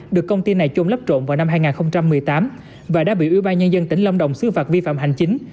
được công ty này chôn lắp trộn vào năm hai nghìn một mươi tám và đã bị ubnd tp đà lạt xứ phạt vi phạm hành chính